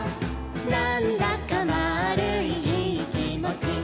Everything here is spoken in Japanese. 「なんだかまぁるいいいきもち」